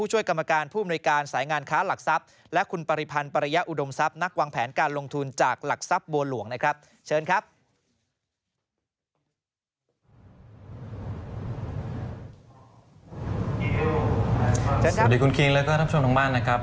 สวัสดีคุณคลิงและก็ท่านท่านชมทั้งบ้านนะครับ